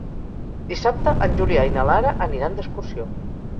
Dissabte en Julià i na Lara aniran d'excursió.